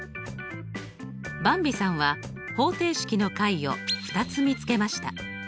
ばんびさんは方程式の解を２つ見つけました。